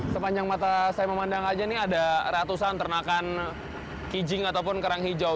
sepanjang mata saya memandang aja nih ada ratusan ternakan kijing ataupun kerang hijau